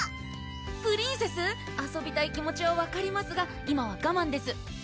プリンセス遊びたい気持ちは分かりますが今は我慢です